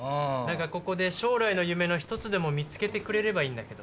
ここで将来の夢の１つでも見つけてくれればいいんだけど。